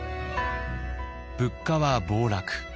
物価は暴落。